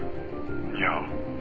いや。